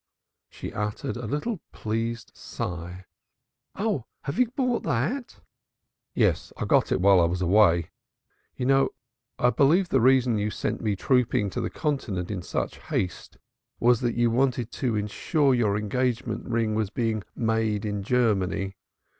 She uttered a little pleased sigh. "Oh, have you brought that?" "Yes, I got it while I was away. You know I believe the reason you sent me trooping to the continent in such haste, was you wanted to ensure your engagement ring being 'made in Germany.'